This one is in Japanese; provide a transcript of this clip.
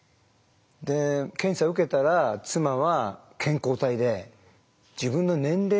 で検査受けたら妻は健康体で自分の年齢よりも若いと。